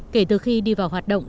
kể từ khi đi vào hoạt động